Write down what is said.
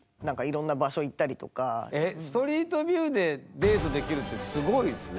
ストリートビューでデートできるってすごいですね。